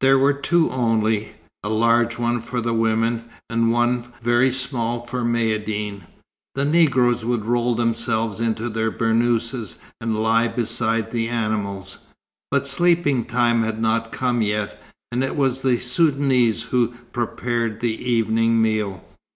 There were two only, a large one for the women, and one very small for Maïeddine. The Negroes would roll themselves in their burnouses, and lie beside the animals. But sleeping time had not come yet; and it was the Soudanese who prepared the evening meal.